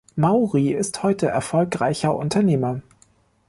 Mauri ist heute erfolgreicher Unternehmer.